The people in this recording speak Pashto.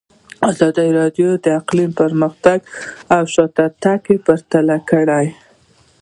ازادي راډیو د اقلیم پرمختګ او شاتګ پرتله کړی.